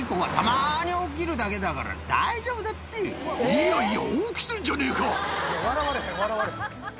いやいや。